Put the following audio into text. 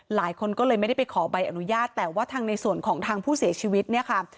หลายคนก็เลยไม่ได้ไปขอใบอนุญาตแต่ว่าทางในส่วนของทางผู้เสียชีวิตเนี่ยค่ะ